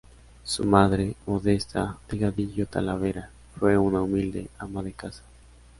Su madre, Modesta Delgadillo Talavera, fue una humilde ama de casa.